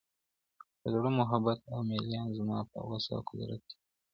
د زړه محبت او ميلان زما په وسع او قدرت کي نه دي.